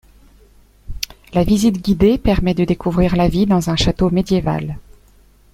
La visite guidée permet de découvrir la vie dans un château médiéval.